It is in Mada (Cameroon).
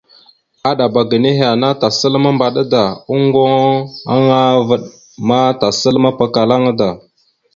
Aɗaba ga nehe ana, tasal mambaɗa da, oŋgo aŋa vaɗ ma tasal mapakala aŋa da.